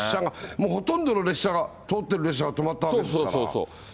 もうほとんどの列車が、通ってる列車が止まったわけですから。